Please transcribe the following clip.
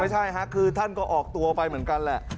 ไม่ใช่ฮะคือท่านก็ออกตัวไปเหมือนกันแหละ